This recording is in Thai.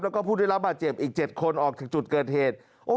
แล้วก็ผู้ได้รับบาดเจ็บอีก๗คนออกจากจุดเกิดเหตุ